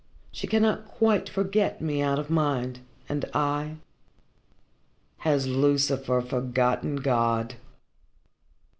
She cannot quite forget me out of mind and I? Has Lucifer forgotten God?"